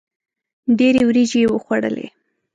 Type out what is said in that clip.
ډېري وریجي یې وخوړلې.